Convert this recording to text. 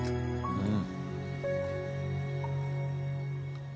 うん。